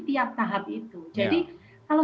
tiap tahap itu jadi